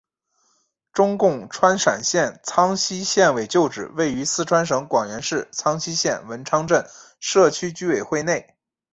中共川陕省苍溪县委旧址位于四川省广元市苍溪县文昌镇社区居委会内。